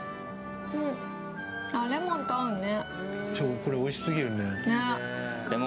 レモンと合うね。